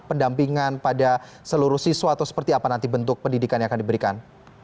pendampingan pada seluruh siswa atau seperti apa nanti bentuk pendidikan yang akan diberikan